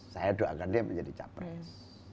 saya doakan dia menjadi capres